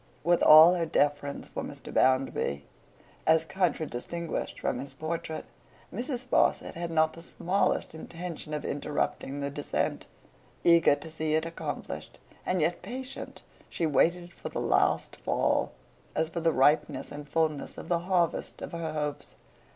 With all her deference for Mr. Bounderby as contradistinguished from his portrait, Mrs. Sparsit had not the smallest intention of interrupting the descent. Eager to see it accomplished, and yet patient, she waited for the last fall, as for the ripeness and fulness of the harvest of her hopes.